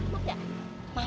masih tembak ga